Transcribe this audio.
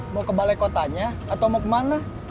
mau ke balai kotanya atau mau kemana